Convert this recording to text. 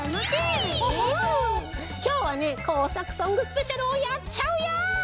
きょうはねこうさくソングスペシャルをやっちゃうよ！